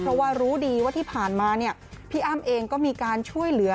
เพราะว่ารู้ดีว่าที่ผ่านมาเนี่ยพี่อ้ำเองก็มีการช่วยเหลือ